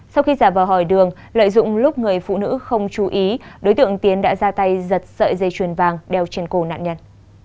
sau khi giả vào hỏi đường lợi dụng lúc người phụ nữ không chú ý đối tượng tiến đã ra tay giật sợi dây chuyền vàng đeo trên cổ nạn nhân